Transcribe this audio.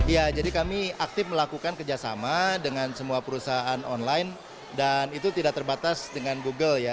ya jadi kami aktif melakukan kerjasama dengan semua perusahaan online dan itu tidak terbatas dengan google ya